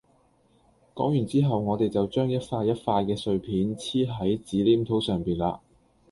講完之後我哋就將一塊一塊嘅碎片黐喺紙黏土上面嘞